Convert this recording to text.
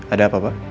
ada apa pak